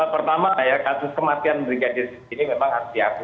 pertama kasus kematian brigadir yusuf ini memang harus diakui